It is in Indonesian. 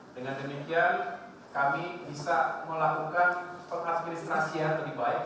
dengan demikian kami bisa melakukan pengadministrasi yang lebih baik